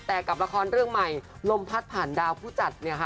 แต่กับละครเรื่องใหม่ลมพัดผ่านดาวผู้จัด